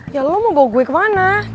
ya lo mau bawa gue kemana